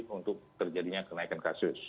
untuk terjadinya kenaikan kasus